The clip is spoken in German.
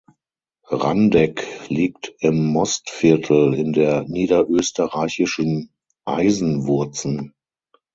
Randegg liegt im Mostviertel in der niederösterreichischen Eisenwurzen.